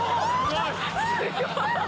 すごい！